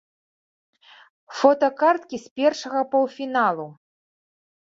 Фотакарткі з першага паўфіналу.